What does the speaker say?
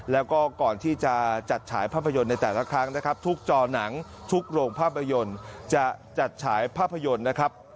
แล้วก็ก่อนที่จะจัดฉายภาพยนตร์ในแต่ละครั้งนะครับทุกจอหนังทุกโรงภาพยนตร์จะจัดฉายภาพยนตร์นะครับ